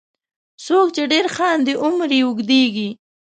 • څوک چې ډېر خاندي، عمر یې اوږدیږي.